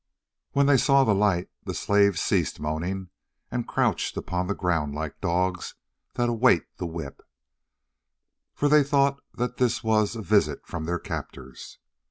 When they saw the light the slaves ceased moaning, and crouched upon the ground like dogs that await the whip, for they thought that this was a visit from their captors.